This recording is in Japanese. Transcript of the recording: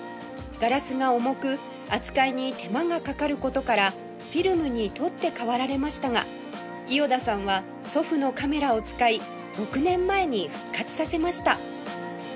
ガラスが重く扱いに手間がかかる事からフィルムに取って代わられましたが伊與田さんは祖父のカメラを使い６年前に復活させました